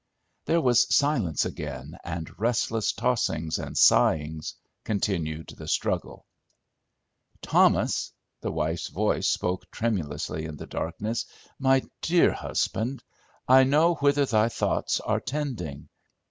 There was silence again, and restless tossings and sighings continued the struggle. "Thomas," the wife's voice spoke tremulously in the darkness, "my dear husband, I know whither thy thoughts are tending.